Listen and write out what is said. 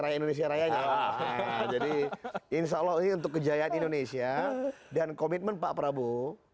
raya indonesia raya jadi insya allah untuk kejayaan indonesia dan komitmen pak prabowo